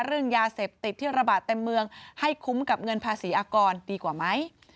เรื่องยาเสพติดที่ระบาดเต็มเมืองให้คุ้มกับเงินภาษีอากรดีกว่าไหม